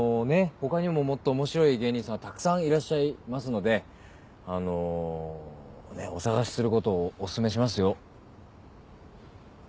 他にももっと面白い芸人さんたくさんいらっしゃいますのであのお探しすることをおすすめしますよ。